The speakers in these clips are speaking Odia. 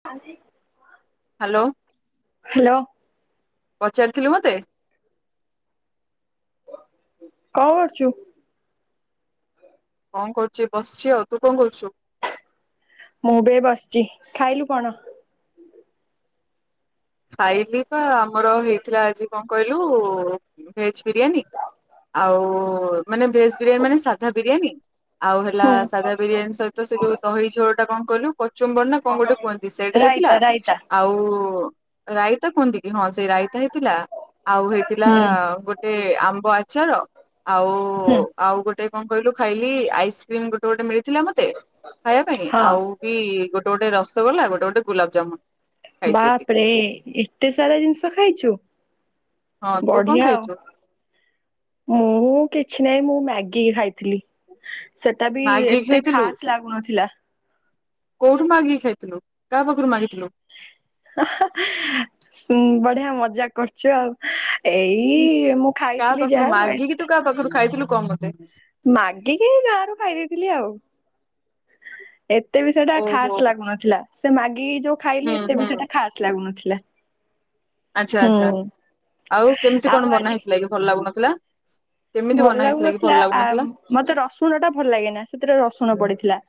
[unintelligible] ହାଲୋ, ହ୍ୟାଲୋ ପଚାରିଥିଲୁ ମତେ? କଣ କରୁଚୁ? କଣ କରୁଛି ବସିଛି ଆଉ, ତୁ କଣ କରୁଛୁ? ମୁଁ ବି ଏଇ ବସିଛି, ଖାଇଲୁ କଣ? ଖାଇଲି ପା ଆମର ହେଇଥିଲା ଆଜି କଣ? କହିଲୁ ଭେଜ୍ ବିରିୟାନୀ ଆଉ ମାନେ ଭେଜ୍ ବିରିୟାନୀ ମାନେ ସାଧା ବିରିୟାନୀ। ଆଉ ହେଲା ସାଧା ବିରିୟାନୀ ସହିତ ସେ ଯୋଉ ଦହି ଝୋଳଟା କଣ କହିଲୁ? କଚୁମ୍ବର ନା କଣ ଗୋଟେ କୁହନ୍ତି ସେଇଟା ରାଇତା ହେଇଥିଲା, ରାଇତା। ଆଉ ରାଇତା କୁହନ୍ତି କି ହଁ ସେଇ ରାଇତା ହେଇଥିଲା, ଆଉ ହେଇଥିଲା ହୁଁ ଗୋ ଟେ ଆମ୍ବ ଆଚାର, ଆଉ ହୁଁ ଆଉ ଗୋ ଟେ କଣ କହିଲୁ ଖାଇଲି ଆଇସ୍କ୍ରିମ୍ ଗୋଟେ ଗୋଟେ ମିଳିଥିଲା ମତେ ଖାଇବା ପାଇଁ ହଁ ଆଉ ବି ଗୋଟେ ଗୋଟେ ରସଗୋଲା ଗୋଟେ ଗୋଟେ ଗୋଲାପଜାମୁନ୍। ବାପ୍ ରେ ଏତେ ସାରା ଜିନିଷ ଖାଇଛୁ। ହଁ ତୁ କଣ ବଢ଼ିଆ ଆଉ। ଖାଇଛୁ? ମୁଁ କିଛି ନାଇଁ ମୁଁ ମ୍ୟାଗି ଖାଇଥିଲି। ସେଟାବି ମାଗିକି ଏତେ ଖାଇଥିଲୁ ଖାସ୍ ଲାଗୁନଥିଲା। କୋଉଠୁ ମାଗିକି ଖାଇଥିଲୁ? କାହା ପାଖରୁ ମାଗିଥିଲୁ? [unintelligible] ଶୁଁ ବଢିଆ ମଜାକ୍ କର୍ ଛୁ ଆଉ, ଏଇ ମୁଁ କାହା ଖାଇଥିଲି ପାଖରୁ ଯାହା ମୁଁ ମାଗିକି ତୁ ଏଥି କାହା ପାଖରୁ ଖାଇଥିଲୁ କଣ? [unintelligible] ମାଗିକି ଏଇ ଗାଁରୁ ଖାଇ ଦେଇଥିଲି ଆଉ। ଏତେ ବି ସେଟା ଓହୋ ଖାସ୍ ଲାଗୁନଥିଲା, ସେ ମାଗିକି ଯୋଉ ହୁଁ ଖାଇଲି ଏତେ ହୁଁ ବି ସେଟା ଖାସ୍ ଲାଗୁନଥିଲା। ଆଚ୍ଛା ହୁଁ ଆଚ୍ଛା, ଆଉ କେମିତି ଆଉ କଣ ବନା ଆଜି ହେଇଥିଲା କି ଭଲ ଲାଗୁନଥିଲା? କେମିତି ଭଲ ବନା ହେଇଥିଲା କି ଭଲ ଲାଗୁନଥିଲା ଆ ଲାଗୁନଥିଲା? ମତେ ରସୁଣଟା ଭଲ ଲାଗେନା ସେଥିରେ ରସୁଣ ପଡିଥିଲା।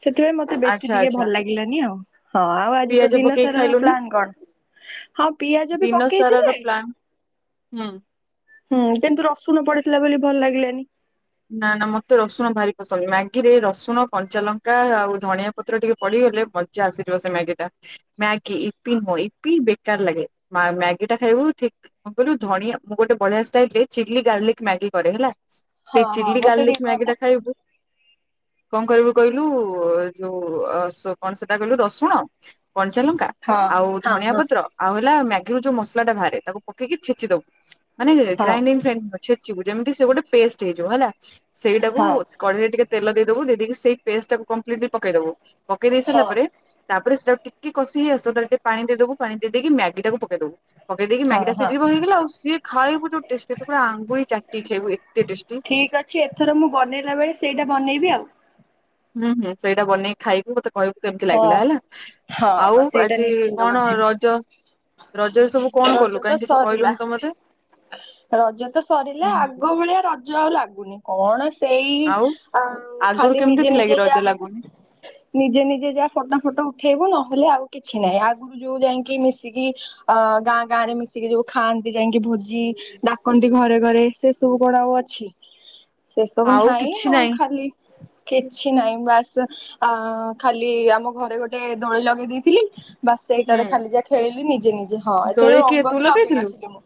ସେଥିପାଇଁ ମତେ ବେଶୀ ଆଚ୍ଛା ଟିକେ ଆଚ୍ଛା ଭଲ ଲାଗିଲାନି ଆଉ, ହଁ ଆଉ ଆଜି ତ ପିଆଜ ଦିନ ପକେଇକି ସାରାର ଖାଇଲୁନି ପ୍ଲାନ୍ କଣ? ହଁ ପିଆଜ ବି ଦିନ ସାରା ର ପକେଇଥିଲେ। ପ୍ଲାନ୍ ହୁଁ ହୁଁ କିନ୍ତୁ ରସୁଣ ପଡିଥିଲା ବୋଲି ଭଲ ଲାଗିଲାନି। ନା ନା ମତେ ରସୁଣ ଭାରି ପସନ୍ଦ, ମ୍ୟାଗିରେ ଏ ରସୁଣ, କଞ୍ଚାଲଙ୍କା ଆଉ ଧଣିଆ ପତ୍ର ଟିକେ ପଡ଼ିଗଲେ ମଜା ଆସିଯିବ ସେ ମ୍ୟାଗିଟା। ମ୍ୟାଗି, ଇପି ନୁହଁ ଇପି ବେକାର ଲାଗେ, ମା ମ୍ୟାଗିଟା ଖାଇବୁ ଠିକ୍ କଣ କହିଲୁ ଧଣିଆ ମୁଁ ଗୋଟେ ବଢ଼ିଆ ଷ୍ଟାଇଲରେ ଚିଲ୍ଲି ଗାର୍ଲିକ ମ୍ୟାଗି କରେ ହେଲା। ହଁ ସେଇ ହଁ ଚିଲ୍ଲି ମତେ ଟିକେ ଗାର୍ଲିକ କହତ ମ୍ୟାଗିଟା ଖାଇବୁ କଣ କରିବୁ କହିଲୁ ଯୋଉ ଅ ସ୍ କଣ ସେଟା କହିଲୁ ରସୁଣ? କଞ୍ଚା ଲଙ୍କା ହଁ ଆଉ ହଁ ଧଣିଆ ହଁ ପତ୍ର ଆଉ ହେଲା ମ୍ୟାଗିରୁ ଯୋଉ ମସଲାଟା ବାହାରେ ତାକୁ ପକେଇକି ଛେଚିଦବୁ। ମାନେ ହଁ ଗ୍ରାଇଣ୍ଡିଂ ଫ୍ରାଇଣ୍ଡିଂ ଛେଚିବୁ ଯେମିତି ସେ ଗୋଟେ ପେଷ୍ଟ ହେଇଯିବ ହେଲା ସେଇଟାକୁ। ହଁ କଢେଇରେ ଟିକେ ତେଲ ଦେଇଦବୁ ଦେଇେଇକି ସେଇ ପେଷ୍ଟ ଟାକୁ କମ୍ପ୍ଲିଟ୍ଲି ପକେଇବୁ ପକେଇ ଦେଇ ସାରିଲା ହଁ। ପରେ। ତା ପରେ ସେଟା ଆଉ ଟିକେ କଷି ହେଇ ଆସିବ ତା ଧିଏରେ ଟିକେ ପାଣି ଦେଇଦବୁ ପାଣି ଦେଇକି ମ୍ୟାଗି ଟାକୁ ପକେଇଦବୁ। ପକେଇ ଦେଇକି ମ୍ୟାଗି ହଁ ଟା ହଁ ସିଝିବ ହେଇଗଲା ଆଉ ସିଏ ଖାଇବୁ ଯୋଉ ଟେଷ୍ଟି ତୁ ପୁରା ଆଙ୍ଗୁଳି ଚାଟିକି ଖାଇବୁ ଏତେ ଟେଷ୍ଟି। ଠିକ୍ ଅଛି ଏଥର ମୁଁ ବନେଇଲା ବେଳେ ସେଇଟା ବନେଇବି ଆଉ। ହୁଁ ହୁଁ ସେଇଟା ବନେଇକି ଖାଇବୁ ମତେ କହିବୁ କେମିତି ହଁ ଲାଗିଲା ହେଲା ହଁ ଆଉ ହଁ ସେଇଟା ଆଜି ନିଶ୍ଚିନ୍ତ କଣ ବନେଇବି ରଜ। ରଜରେ ସବୁ କଣ ରଜ କଲୁ ତ କାହିଁ କିଛି ସରିଲା। କହିଲୁନି ତ ମତେ। ରଜ ତ ସରିଲା ହୁଁ ଆଗ ଭଳିଆ ରଜ ଆଉ ଲାଗୁନି କଣ ସେଇ। ଆଉ ଆଗରୁ ଖାଲି କେମିତି ନିଜେ ଥିଲା କି ନିଜେ ରଜ ଯାଆ। ଲାଗୁନି? ନିଜେ ନିଜେ ଯା ଫଟୋ ଫଟୋ ଉଠେଇବୁ ନହେଲେ ଆଉ କିଛି ନାହିଁ ଆଗୁ ରୁ ଯୋଉ ଯାଇଁ କି ମିଶିକି ଅ ଗାଁ ଗାଁ ରେ ମିଶିକି ଯୋଉ ଖାଆନ୍ତି ଯାଇକି ଭୋଜି। ଡାକନ୍ତି ଘରେ ଘରେ ସେ ସବୁ କଣ ଆଉ ଅଛି ସେ ସବୁ ଆଉ ନାହିଁ କିଛି ଆଉ ଖାଲି। କିଛି ନାହିଁ ବାସ୍। ଆ ଖାଲି ଆମ ଘରେ ଗୋଟେ ଦୋଳି ଲଗେଇ ଦେଇଥିଲି। ବାସ ହୁଁ ସେଇଟାରେ ଖାଲି ଯା ଖେଳିଲି ନିଜେ ନିଜେ ହଁ। ଦୋଳି ଏଥର କିଏ ରଙ୍ଗ ତୁ ବି ଲଗେଇ ଲଗେଇଥିଲୁ? ନଥିଲି ମୁଁ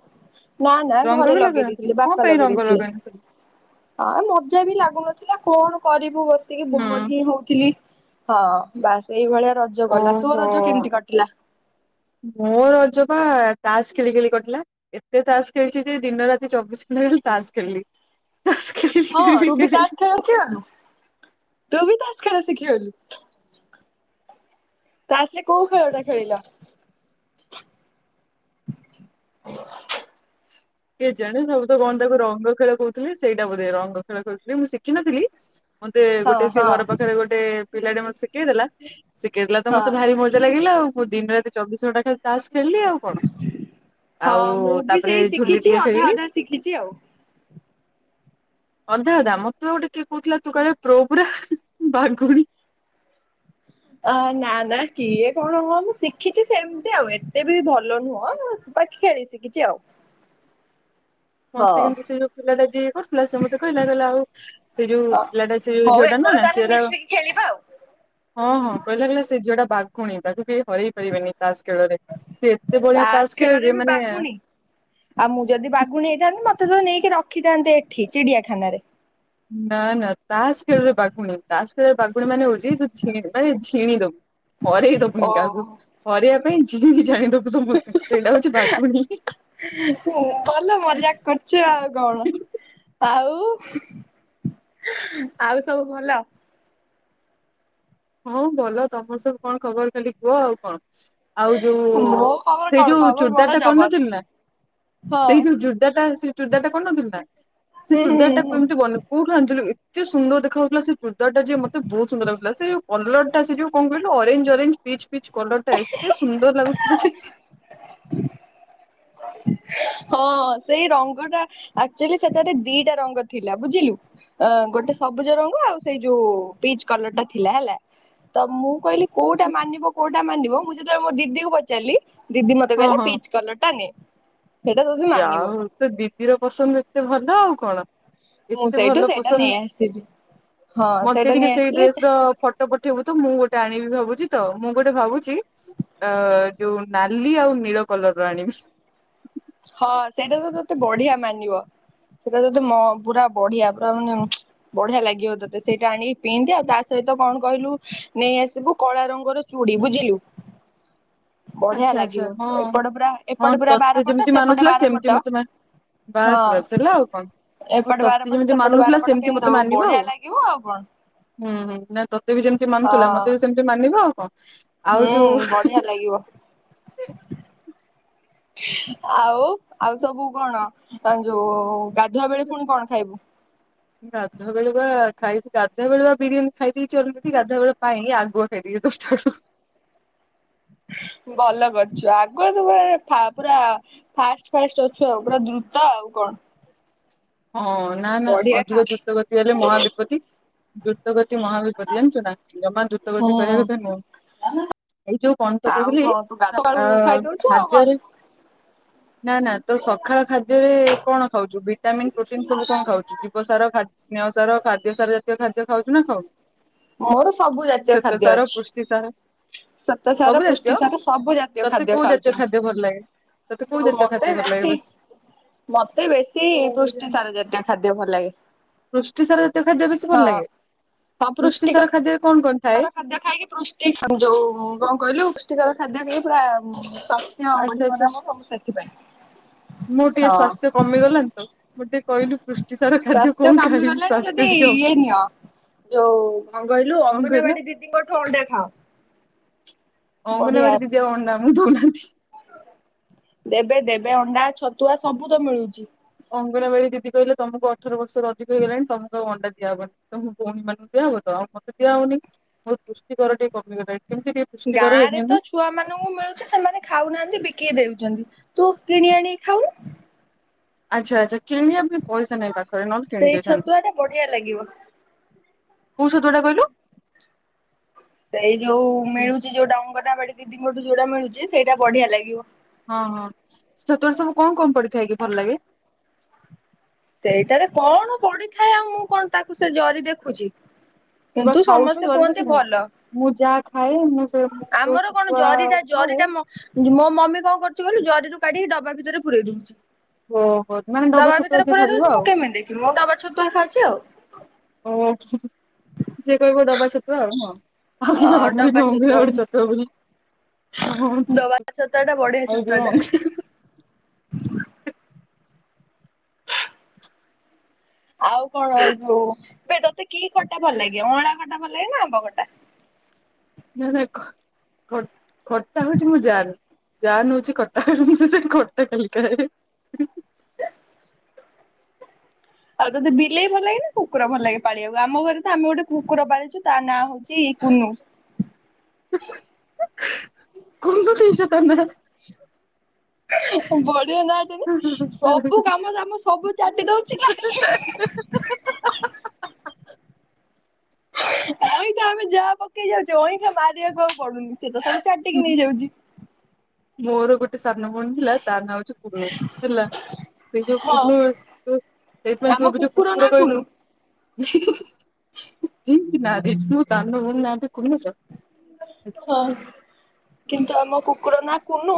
ନା ନା ରଙ୍ଗ ଘରେ ବି ଲଗେଇ ନଥିଲୁ ଦେଇଥିଲେ କଣ ବାପା ପାଇଁ ଲଗେଇ ରଙ୍ଗ ଦେଇଥିଲେ। ନଥିଲୁ? ହଁ ମଜା ବି ଲାଗୁନଥିଲା କଣ କରିବୁ ବସିକି ବୋର୍ ହୁଁ ହିଁ ହଉଥିଲି। ହଁ ବାସ ଏଇଭଳିଆ ରଜ ଗଲା। ତୋ ଓହୋ ରଜ କେମିତି କଟିଲା? ମୋ ରଜ ବା ତାସ ଖେଳି ଖେଳି କଟିଲା। ଏତେ ତାସ ଖେଳିଛି ଯେ ଦିନ ରାତି ଚବିଶ ଘଣ୍ଟା ଖାଲି ତାସ ଖେଳିଲି। ମାମୁଁ ଖେଳି ହଁ ଖେଳି ତୁ ବି ଖେଳିଲି। [inaudible] ତୁ ବି ତାସ ଖେଳ ଶିଖିଗଲୁ। ତାସ ରେ କୋଉ ଖେଳଟା ଖେଳିଲ? କେ ଜାଣି ସବୁ ତ କଣ ତାକୁ ରଙ୍ଗ ଖେଳ କହୁଥିଲେ ସେଇଟା ବୋଧେ ରଙ୍ଗ ଖେଳ ଖେଳୁ ଥିଲେ ମୁଁ ଶିଖିନଥିଲି। ମତେ ଗୋଟେ ହଁ ସେ ହଁ ଘର ପାଖରେ ଗୋଟେ ପିଲା ଟେ ମତେ ଶିଖେଇ ଦେଲା ଶିଖେଇ ଦେଲା ତ ହଁ ମତେ ଭାରି ମ ମଜା ଲାଗିଲା ଆଉ ମୁଁ ଦିନ ରାତି ଚବିଶ ଘଣ୍ଟା ଖାଲି ତାସ ଖେଳିଲି ଆଉ। କଣ ଆଉ ତାପରେ ଝୁଲି ଚି ଟିକେ ଅଧା ଖେଳିଲି ଅଧା ଶିଖିଛି ଆଉ। ଅଧା ଅଧା ମୋତେ ବା ଗୋଟେ କିଏ କହୁଥିଲା ତୁ କାଳେ ପ୍ରୋ ପୁରା ବାଘୁଣୀ। ଅ ନା ନା କିଏ କଣ କହନ୍ତି ହଁ ମୁଁ ଶିଖିଛି ସେମିତି ଆଉ ଏତେ ବି ଭଲ ନୁହଁ। ତ ଖେଳି ଶିଖିଛି ଆଉ। ହଁ ମତେ କିନ୍ତୁ ସେଇ ଯୋଉ ପିଲା ଟା ଯିଏ। କରୁଥିଲା ସେ ମତେ କହିଲା କହିଲା ଆଉ ସେ ଯୋଉ ହଁ। ପିଲାଟା ସେ ଯୋଉ ଝିଅ ଟା ନୁହଁ ନା ସିଏ ହେଲା। ଖାଉ। ହଁ ହଁ କହିଲା କହିଲା ସେ ଝିଅଟା ବାଘୁଣୀ ତାକୁ କେହି ହରେଇ ପାରିବେନି ତାସ୍ ଖେଳରେ ସିଏ। ଏତେ ବଢ଼ିଆ ତାସ୍ ଖେଳେ ଖେଳରେ ଯେ ବି ମାନେ। ବାଗୁଣୀ। ଆଉ ମୁଁ ଯଦି ବାଘୁଣୀ ହେଇଥାନ୍ତି ମତେ ତ ନେଇକି ରଖିଥାନ୍ତେ ଏଠି ଚିଡ଼ିଆ ଖାନାରେ। ନା ନା ତାସ୍ ଖେଳରେ ବାଘୁଣୀ ତାସ୍ ଖେଳରେ ବାଘୁଣୀ ମାନେ ହଉଛି [inaudible] ଝିଣିଦବୁ ହରେଇ ଦବୁନି କାହାକୁ ହୁଁ ହରେଇବା ପାଇଁ ଝିଣି ଝାଣି ଦବୁ। ସମସ୍ତିଙ୍କୁ ସେଇଟା ହଉଛି ବାଘୁଣୀ। ସିଏ କଣ ଆଉ ଆଉ ସବୁ ଭଲ। ହଁ ଭଲ ତ ତମର ସବୁ କଣ ଖବର ଖାଲି କୁହ ଆଉ କଣ? ଆଉ ଯୋଉ ମୋ ଖବର ସେଇ କଣ ଯୋଉ ଖବର ବଡ ଚୁଡ଼ିଦାର୍ ଟା ଜବର କରୁନଥିଲି ନା। ହଁ। ସେଇ ଜୋଉ ଯୁଡ୍ଦାର୍ ସେ ଚୁର୍ଦାର୍ କରନଥିଲ ନା ସେ ହୁଁ ହୁଁ ଚୁର୍ଦାର୍ ହୁଁ କେମିତି ବନଉ? କୋଉଠୁ ଆଣିଥିଲୁ ଏତେ ସୁନ୍ଦର୍ ଦେଖା ହୋଉଥିଲା ସେ ଚୂଡ୍ଦାର୍ ଟାଜେ ମତେ ବହୁତ୍ ସୁନ୍ଦର୍ ଲାଗୁଥିଲା। ସେଉ କଲର୍ ଟା ସେ ଯୋଉ କଣ କହିଲୁ orange orange peach peach colour ଟା ଏତେ ସୁନ୍ଦର୍ ଲାଗୁଥିଲା ଯେ। ହଁ ସେଇ ରଙ୍ଗଟା ଆକ୍ଚୁଲି ସେଠାରେ ଦିଟା ରଙ୍ଗ ଥିଲା ବୁଝିଲୁ। ଆ ଗୋଟେ ସବୁଜ ରଙ୍ଗ ଆଉ ସେଇ ଯୋଉ ପିଚ୍ କଲର୍ ଟା ଥିଲାହେଲା। ତ ମୁଁ କଇଲି କୋଉଟା ମାନିବ କୋଉଟା ମାନିବ ମୁ ଯେତେବେଳେ ମୋ ଦିଦି କୁ ପଚାଲି। ଦିଦି ମତେ କହିଲା ପିଚ୍ କଲର୍ ଟା ନେ। ସେଇଟା ତୋତେ ଯାହା ମାନିବ ହୋଉ ତୋ ଦିଦିର ପସନ୍ଦ୍ ଏତେ ଭଲ ଆଉ କଣ। ମୁଁ ଏତେ ସେଇଠୁ ଭଲ ସେଇଟା ପସନ୍ଦ୍ ନେଇ ଆସିଲି ହଁ ସେଇଟା ମତେ ନେଇ ଟିକେ ସେଇ ଡ୍ରେସ୍ ଆସିଥିଲି ର ଫ ଟ ପଠେଇବୁ ତ ମୁଁ ଗୋଟେ ଆଣିବି ଭାବୁଚି। ତ ମୁଁ ଗୋଟେ ଭାବୁଚି ଆ ଯୋଉ ନାଲି ଆଉ ନୀଳ କଲର୍ ର ଆଣିବି। ହଁ ସେଇଟା ତ ତତେ ବଢ଼ିଆ ମାନିବ। ସେଇଟା ତତେ ମ ପୁରା ବଢ଼ିଆ ପୁରା ମାନେ ବଢ଼ିଆ ଲାଗିବ ତତେ। ସେଇଟା ଆଣିକି ପିନ୍ଧି ଆଉ ତା ସହିତ କଣ କହିଲୁ ନେଇଆସିବୁ କଳା ରଙ୍ଗର ଚୁଡ଼ି ବୁଝିଲୁ। ବଢ଼ିଆ ଆଚ୍ଛା ଆଚ୍ଛା। ଲାଗିବ ହଁ ଏପଟ ପୁରା ହଁ ଏପଟ ପୁରା ବାର ତତେ ପଟ ଯେମିତି ସେପଟେ ମାନୁଥିଲା ସେମିତି ବାରପଟ। ମତେ ହଁ ବାସ୍ ବାସ୍ ହେଲା ଆଉ କଣ। ଆଉ ଏପଟେ ତତେ ବାରପଟ ଯେମିତି ସେପଟେ ମାନୁଥିଲା ବାରପଟ ସେମତି ମତେ ପିନ୍ଧିଦବୁ ମାନିବ ବଢିଆ ଆଉ। ଲାଗିବ ଆଉ କଣ ହୁଁ ହୁଁ ନାଇଁ ତତେ ବି ଯେମିତି ମାନୁଥିଲା ହଁ ମତେ ବି ସେମିତି ମାନିବ ଆଉ କଣ। ଆଉ ହୁଁ ଯୋଉ ବଢ଼ିଆ ଲାଗିବ। ଆଉ ଆଉ ସବୁ କଣ ଆଁ ଯୋଉ ଗାଧୁଆ ବେଳେ ଫୁଣି କଣ ଖାଇବୁ? [inaudible] ଗାଧୁଆ ବେଳେ ପା ଖାଇିକି ଗାଧୁଆ ବେଳୁ ବିରିୟାନୀ ଖାଇ ଦେଇଚି ଅଲେଡି ଗାଧୁଆ ବେଳ ପାଇଁ ଆଗୁଆ। ଫେରିବେ ଦଶ୍ ଟା ଳୁକୁ। ଭଲ କରିଚ ଆଗୁଆ ତବେଳେ ଫା ପୁରା ଫାଷ୍ଟ୍ ଫାଷ୍ଟ୍ ଅଛୁ ଆଉ ପୁରା ଦ୍ରୁତ ଆଉ କଣ। ହଁ ନା ନା ବଢିଆ ଖା ଅଧିକ ଦୁତ ଗତି ହେଲେ ମହାବିପତ୍ତି। ଦ୍ରୁତଗତି ମହାବିପତି ଜାଣିଚୁ ନା ଜମା ହୁଁ ଦ୍ରୁତଗତି କରିବା କଥା ନୁହଁ। ଏଇ ଯୋଉ କଣ ତ ଆଉ କଉଥିଲି କଣ ତୁ ଗାଧୁଆଳୁ ଆ ଖାଇଦଉଛୁ ଆଉ କଣ। ଖାଦ୍ୟରେ ନା ନା ତୋ ସକାଳ ଖାଦ୍ୟରେ କଣ ଖାଉଚୁ ଭିଟାମିନ୍ ପ୍ରୋଟିନ୍ ସବୁ କଣ ଖାଉଚୁ? ଜୀବ ସାର, ଖା ସ୍ନେହ ସାର, ଖାଦ୍ୟ ସାର ଜାତୀୟ ଖାଦ୍ୟ ଖାଉଚୁ ନା ଖାଉନୁ? ମୋର ସବୁ ଜାତୀୟ ଶ୍ୱେତ ଖାଦ୍ୟ ସାର ଅଛି। ପୁଷ୍ଟି ସାର ଶ୍ୱେତସାର, ସବୁ ପୁଷ୍ଟି ଜାତୀୟ ସାର, ସବୁ ଜାତୀୟ ତତେ ଖାଦ୍ୟ କୋଉ ଜାତୀୟ ଖାଉଚି ଖାଦ୍ୟ ଭଲ ଲାଗେ? ତତେ ମୁଁ। କୋଉ ଆଉ ଜାତୀୟ ମତେ ଖାଦ୍ୟ ଭଲ ଲାଗେ ବେଶୀ ମତେ ବେଶୀ ପୃଷ୍ଟି ସାର ଜାତିୟ ଖାଦ୍ୟ ଭଲ୍ ଲାଗେ। ପୃଷ୍ଟି ସାର ଜାତୀୟ ଖାଦ୍ୟ ବେଶୀ ଭଲ୍ ହଁ ଲାଗେ। ପୃଷ୍ଟି ସାର ଖାଦ୍ୟରେ କଣ କଣ? ଥାଏ ପୁଷ୍ଟିସାର ଖାଦ୍ୟ ଖାଇକି ପୃଷ୍ଟି ଯୋଉ କଣ କଇଲୁ? ପୁଷ୍ଟିକର ଖାଦ୍ୟ ଖାଇକି ପୁରା ସ ହ୍ୟ ଆଚ୍ଛା ବଢିବ ନା ମୋର ସେଥିପାଇଁ। ମୁଁ ଟିକେ ହଁ। ସ୍ବାସ୍ଥ୍ୟ କମି ଗଲାଣି ତ। ମୁଁ ଟିକେ କହିଲୁ ପୃଷ୍ଟି ସାର ଖାଦ୍ୟ କଣ ଖାଇବି। ସ୍ବାସ୍ ତି ଇଏ ନିଅ ଯୋଉ କଣ କଇଲୁ କଣ କହିଲ ଅଙ୍ଗନବାଡି ଦିଦିଙ୍କଠୁ ଅଣ୍ଡା ଖାଅ। ବଢିଆ ଅଙ୍ଗନବାଡ଼ି ଦିଦି ଆଉ ଅଣ୍ଡା ଆମକୁ ଦୋଉ ନାହାଁନ୍ତି। ଦେବେ ଦେବେ ଅଣ୍ଡା ଛତୁଆ ସବୁ ତ ମିଳୁଚି। ଅଙ୍ଗନବାଡି ଦିଦି କହିଲେ ତମକୁ ଅଠର ବର୍ଷରୁ ଅଧିକ ହେଇଗଲାଣି ତମକୁ ଆଉ ଅଣ୍ଡା ଦିଆହବନି। ତମକୁ ଅମମାନ ଦିଆ ହବ ତ ଆଉ ମତେ ଦିଆ ହୋଉନି। ହୋଉ ପୁଷ୍ଟିକର ଟିକେ କମିଗଲାଣି କେମିତି ଟିକେ ପୁଷ୍ଟିକର ହେମି ଅନୁ? ଛୁଆମାନଙ୍କୁ ମିଳୁଚି ସେମାନେ ଖାଉନାହାନ୍ତି ବିକି ଦେଉଚନ୍ତି। ତୁ କିଣି ଆଣି ଖାଉନୁ। ଆଚ୍ଛା ଆଚ୍ଛା କିଣିବା ପାଇଁ ପଇସା ନାହିଁ ପାଖରେ ନହେଲେ କିଣି ସେଇ ଦେଇଥାନ୍ତି। ଛତୁଆ ଟା ବଢିଆ ଲାଗିବ କୋଉ ଛତୁଆଟା କହିଲୁ। ସେଇ ଯୋଉ ସେ ମିଳୁଛି ଯୋଉଟା ଅଙ୍ଗନାବାଡ଼ି ଦିଦିଙ୍କଠୁ ଯୋଉଟା ମିଳୁଛି ସେଇଟା ବଢିଆ ଲାଗିବ। ହଁ ହଁ ସେ ଛତୁଆରେ ସବୁ କଣ କଣ ପଡିଥାଏ କି ଭଲ ଲାଗେ? ସେଇଟାରେ କଣ ପଡିଥାଏ ଆଉ ମୁଁ କଣ ତାକୁ ସେ ଜରି ଦେଖୁଛି। ତୁ ବା କିନ୍ତୁ ଖାଉଛୁ ସମସ୍ତେ ଜରି କୁହନ୍ତି ରଖିବୁ ନା। ଭଲ। ମୁଁ ଯାହା ଖାଏ ମୁଁ ସେ ମୁଁ ଯୋଉ ଆମର କଣ ଛତୁଆ ଜରିଟା ଖାଏ ଜରିଟା ମୋ ମୋ ମମି କଣ କରୁଛି କହିଲୁ ଜରିରୁ କାଢିକି ଡବା ଭିତରେ ପୁରେଇ ଦୋଉଛି। ଓ ହୋ ମାନେ ଡବା ଛତୁଆ ଯିଏ ପୁରାଇ ଭାବିବ ଦୋଉଛି ମୁଁ ଆଉ। କେମିତି ଦେଖିମି ମୁଁ ଡବା ଛତୁଆ ଖାଉଛି ଆଉ। ଓ ହୋ ଯିଏ କହିବ ଡବା ଛତୁଆ ଆଉ ନୁହଁ। ଅ ଡବା [unintelligible] ଛତୁଆ ବୋଲି ଡବା ଛତୁଆ ଟା ବଢିଆ ଛତୁଆ ଟା। [unintelligible] ଆଉ କଣ ଯୋଉ ବେ ତୋତେ କି ଖଟା ଭଲ ଲାଗେ ଅଁଳା ଖଟା ଭଲ ଲାଗେ ନା ଆମ୍ବ ଖଟା? ହେଁ ହେଁ ଖ ଖଟ ଖଟା ହୋଉଛି ମୋ ଜାନ୍। ଯାନ ହୋଉଛି ଖଟା ସେ ଖଟା ଖାଲି ଖାଏ। ଆଉ ତୋତେ ବିଲେଇ ଭଲ ଲାଗେ ନା କୁକୁର ଭଲ ଲାଗେ ପାଳିବାକୁ ଆମ ଘରେ ତ ଆମେ ଗୋଟେ କୁକୁର ପାଳିଛୁ ତା ନାଁ ହୋଉଛି କୁନୁ। କୁନୁ ଦେଇଛ ତା ନାଁ। ବଢିବ ନାଁ ଟେ ନା ସବୁ କାମ ଦାମ ସବୁ ଚାଟି ଦୋଉଛି [inaudible] ଅଇଁଠା ଆମେ ଯାହା ପକେଇ ଯାଉଛୁ ଅଇଁଠା ମାରିବାକୁ ଆଉ ପଡୁନି ସେ ତ ସବୁ ଚାଟିକି ନେଇଯାଉଛି। ମୋର ଗୋଟେ ସାନ ଭଉଣୀ ଥିଲା ତା ନାଁ ହୋଉଛି କୁନୁ ହେଲା। ସେଇ ଯୋଉ ହଁ। କୁୁୁନୁ ସେ ଯୋଉ ସେଇଥିପାଇଁ ଆମ ତୁ ଏବେ ଯୋଉ ନା କୁକୁର କୁନୁ କହିଲୁ। ନାଁ ଦେଇଛୁ ମୋ ସାନଭୋଉଣୀ ନାଁ ରେ କୁନୁ। ତ। ହଁ କିନ୍ତୁ ଆମ କୁକୁର ନାଁ କୁନୁ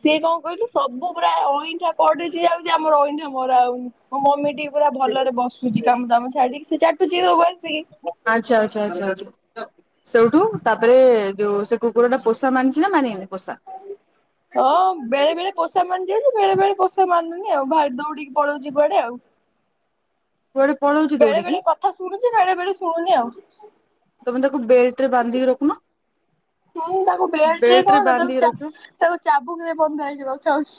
ସିଏ କଣ କହିଲୁ ସବୁ ପ୍ରାୟ ଅଇଁଠା ପଡ଼ୁଚି ଆଉ ଯେ ଆମର ଅଇଁଠା ମରା ହୋଉନି। ମୋ ମମି ଟିକେ ପୁରା ଭଲରେ ବସୁଛି କାମ ଦାମ ସାରିକି ସେ ଚାଟୁଛି ସବୁ ଆସିକି। ଆଚ୍ଛା ଆଚ୍ଛା ଆଛା ଆଛା ସେଉଠୁ ତାପରେ ଯୋଉ ସେ କୁକୁର ଟା ପୋଷା ମାନଛି ନା ମାନେନି ପୋଷା? ହ ବେଳେ ବେଳେ ପୋଷା ମାନି ଯାଉଛି ବେଳେ ବେଳେ ପୋଷା ମାନୁନି ଆଉ ଭାଇ ଦୌଡିକି ପଳଉଛି କୁଆଡେ ଆଉ। କୁଆଡେ ପଳଉଛି ବେଳେ ଦୌଡିକି ବେଳେ କଥା ଶୁଣୁଛି ବେଳେ ବେଳେ ଶୁଣୁନି ଆଉ ତମେ ତାକୁ ବେଲ୍ଟ ରେ ‌ ବାନ୍ଧିକି ରଖୁନ ନାଇଁ ତାକୁ ବେଟ ରେ ବେଲ୍ଟ କଣ ବାନ୍ଧିକି ତାକୁ ଚା ରଖିବ ତାକୁ ଚାବୁକ୍ ରେ ବନ୍ଧା ହେଇକି ରଖାଯାଉଛି।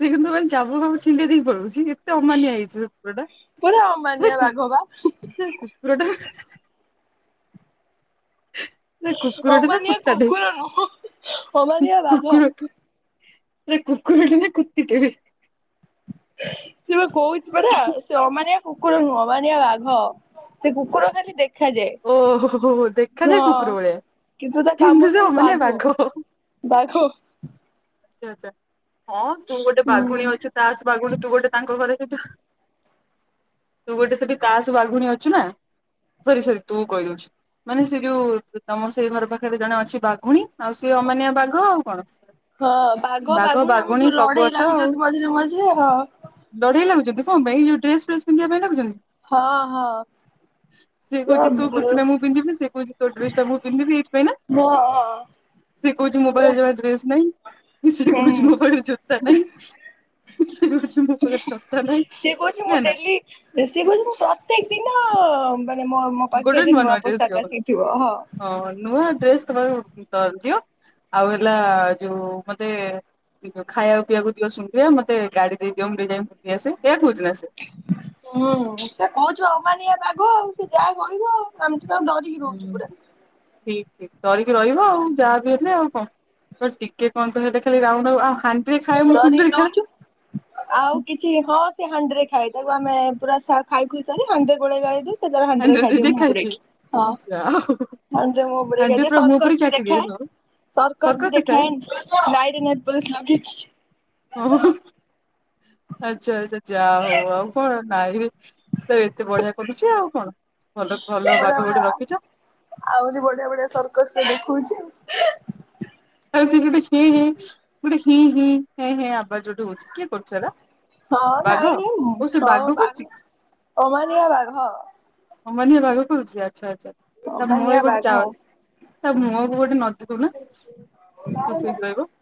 ସିଏ କିନ୍ତୁ ଭାଇ ଚାବୁକ ଫାବୁକ ଛିଣ୍ଡେଇ ଦେଇକି ପଳଉଛି ଏତ ଏତେ ଅମାନିଆ ହେଇଛି ସେ କୁକୁରଟା ପୁରା ସେ ଅମାନିଆ କୁ ବାଘ ବା ସେ କୁକୁର ଟା ହେ ହେ ନା କୁକୁରଟା ନା ଅମାନିଆ କୁତାଟେ? କୁକୁର ନୁହଁ ଅମାନିଆ ବାଘ। ସେ କୁକୁର ଟେ ନାଁ କୁତିଟେ? ସେ ବା କହୁଛି ପରା ସେ ଅମାନିଆ କୁକୁର ନୁହଁ ଅମାନିଆ ବାଘ ସେ କୁକୁର ଖାଲି ଦେଖ ଓ ହୋ ହୋ ଦେଖାଯାଏ କୁକୁର ଭଳିଆ। କିନ୍ତୁ ତା କାମ ସେ ସବୁ ଅମାନିଆ ବାଘ। ବାଘୁଅ। ଆଛା ଆଛା ହଁ ତୁ ଗୋଟେ ହୁଁ ବାଘୁଣୀ ଅଛୁ ତାସ ବାଘୁଣୀ ତୁ ଗୋଟେ ତାଙ୍କ ଘରେ ସେଠି ତୁ ଗୋଟେ ସେଠି ତାସ ବାଘୁଣୀ ଅଛୁ ନା। ସରି ସରି ତୁ କହି ଦୋଉଛିୁ। ମାନେ ସେ ଯୋଉ ତମ ସେଇ ଘର ପାଖରେ ଜଣେ ଅଛି ବାଘୁଣୀ ଆଉ ସେ ଅମାନିଆ ବାଘ ଆଉ କଣ। ହଁ ବାଘ ବାଘୁଣି ଆମର ବାଘୁଣୀ ଯୋଉ ସବୁ ଲଢେଇ ଅଛ ଆଉ ଲାଗୁଛନ୍ତି ମଝିରେ ମଝିରେ ହଁ। ଲଢେଇ ଲାଗୁଛନ୍ତି କଣ ପାଇଁ ଯୋଉ ଡ୍ରେସ୍ ଫ୍ରେସ୍ ପିନ୍ଧିବା ପାଇଁ ଲାଗୁଛନ୍ତି? ହଁ-ହଁ। ସେ କଉଛି ତୋ କୁର୍ତୀ ଟା ମୁଁ ପନ୍ଧିବି ସେ କଉଚି ତୋ ଡ୍ରେସ ଟା ମୁ ପିନ୍ଧିବି ଏଇଥି ପାଇଁ ନା। ସେ କହୁଛି ମୋ ପାଖରେ ଜମା ଡ୍ରେସ ନାଇଁ ସେ କହୁଛି ମୋ ପାଖରେ ଜୋତା ନାହିଁ। ସେ କହୁଛି ମୋ ପାଖରେ ଛତା ନାହିଁ ଏଇୟା ନା। ସେ ସେ କହୁଛି ମୁଁ ପ୍ରତ୍ୟେକ ଦିନ ମୋ ମୋ ଗୋଟେ ପାଖରେ ନୂଆ ଡ୍ରେସ ଦିଅ ପୋଷାକ ମତେ। ଆସିଥିବ ହଁ। ହଁ ନୂଆ ଡ୍ରେସ୍ ଦିଅ ଆଉ ହେଲା ଯୋଉ ମତେ ଖାଇବା ପିଇବା କୁ ଦିଅ ଶୁଆ ମତେ ଗାଡି ଦେଇଦିଅ ବୁଲି ଆସେ ଏଇୟା କହୁଚି ନା ସେ। ହୁଁ ସେ କହୁଚି ବା ଅମାନିଆ ବାଘ ସେ ଯାହା କହିବ ଆମେ ତା ଡରି ହୁଁ ଠିକ ଠିକ ଡରିକି ରହିବ ଆଉ ଯାହା ବିି ହେଲେ ଆଉ କଣ। ଟିକେ କନ୍ ଟ ଖାଲି ରାଉ ରାଉ ଆଉ ହାନ ଡରିକି ରହୁଛୁ। ଆଉ କିଛି ହଁ ସେ ହାଣ୍ଡିରେ ଖାଏ ତାକୁ ଆମେ ପୁରା ଖାଇ ପିଇ ସାରି ହାଣ୍ଡିରେ ଗୋଳେଇ ଗାଳି ଦେଇ ସେ ତାର ହାଣ୍ଡି ରେ ହାଣ୍ଡିରେ ଖାଇଦିଏ ଦେଇଦେଇ ମୁଁହଁ ପୁରେଇକି ଯା ହଉ ହଁ ସେ ମୁହ ପୁରେଇ ହାଣ୍ଡି ଖାଇଦିଏ ପୁରା ମୁହଁ ପୁରେଇ ସର୍କସ୍ ବି ଦେଖେ। ଚାଟିଦିଏ ସର୍କସ ବି ଦେଖାଏ ନାଈରେ ନେଲ ପଲିସ୍ ଲଗେଇକି। ଓ ହୋ ଆଚ୍ଛା ଆଚ୍ଛା ଯା ହଉ ଆଉ କଣ ନାହି ରେ ତ ଏତେ ବଢିଆ କରୁଛି ଆଉ କଣ ଭଲ ଭଲ ବଢିଆ ବାଘ ବଢିଆ ଗୋଟେ ରଖିଛ। ଆହୁରି ବଢିଆ ବଢିଆ ସର୍କସ ସେ ଦେଖଉଛି। ଆଉ ସେଠ ଗୋଟେ ହିଁ ହୀ ଗୋଟେ ହଁ ହିଁଁ ହେ ହେ ଆବାଜ ଗୋଟେ ହଉଛି କିଏ କରୁଚି ସେଇଟା? ହଁ ନାଇଁ ନି ମୁଁ ହଁ କରୁଛି ବାଘ କି ଅମାନିଆ ବାଘ। ଅମାନିଆ ବାଘ କରୁଛି ଆଚ୍ଛା ଆଚ୍ଛା ତା ମୁହଁରେ ଅମାନିଆ ଗୋଟେ ଯା ବାଘ। ତା ମୁହଁକୁ ଗୋଟେ ନଦୀ ଦେଉନ। ଚୁପ୍ ହେଇକି ରହିବ।